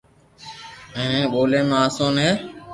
ھي ھين ٻوليا ۾ آسون ھي